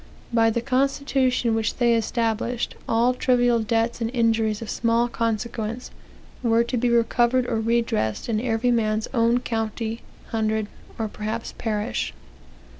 By the constitution which they established, all trivial debts, and injuries of small consequence, were to be recovered or redressed in every man's own county, hundred, or perhaps parish."